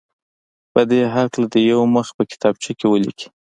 په دې هکله دې یو مخ په کتابچه کې ولیکي.